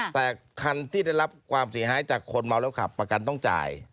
แต่คันที่ได้รับความเสียหายจากคนเมาแล้วขับประกันต้องจ่าย